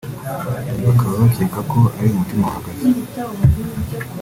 bakaba bakeka ko ari umutima wahagaze